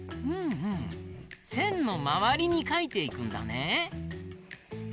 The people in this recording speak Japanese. ふんふんせんのまわりにかいていくんだね。